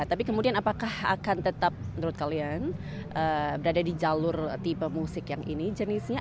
tapi kemudian apakah akan tetap menurut kalian berada di jalur tipe musik yang ini jenisnya